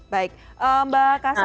baik mbak kasan